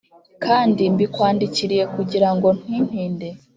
kandi mbikwandikiriye kugira ngo nintinda